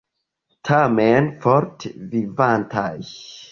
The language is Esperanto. Tamen forte vivantaj!